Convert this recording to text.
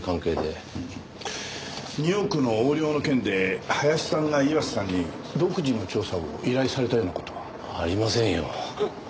２億の横領の件で林さんが岩瀬さんに独自の調査を依頼されたような事は？ありませんよ。